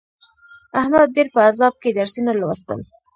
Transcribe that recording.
احمد ډېر په عذاب کې درسونه ولوستل.